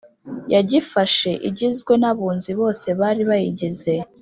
yagifashe igizwe n Abunzi bose bari bayigize